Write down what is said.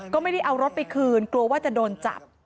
ก็ไม่ได้เอารถไปคืนกลัวว่าจะโดนจับ